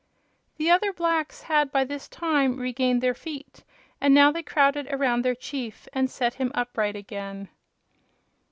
The other blacks had by this time regained their feet, and now they crowded around their chief and set him upright again.